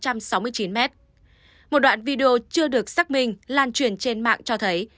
một đoạn video chưa được xác minh lan truyền trên mạng cho thấy